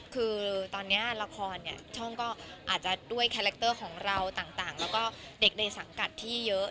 คือตอนนี้ละครเนี่ยช่องก็อาจจะด้วยคาแรคเตอร์ของเราต่างแล้วก็เด็กในสังกัดที่เยอะ